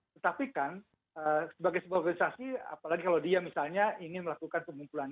tetapi kan sebagai sebuah organisasi apalagi kalau dia misalnya ingin melakukan pengumpulan